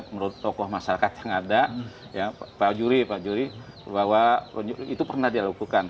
menurut tokoh masyarakat yang ada ya pak juri pak juri bahwa itu pernah dilakukan